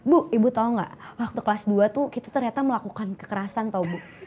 bu ibu tahu nggak waktu kelas dua tuh kita ternyata melakukan kekerasan atau bu